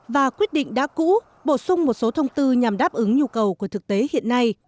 và quyết định đã cũ bổ sung một số thông tư nhằm đáp ứng nhu cầu của thực tế hiện nay